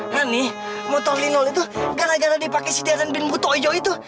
hany motor linol itu gara gara dipake sidaran binbuto ojo itu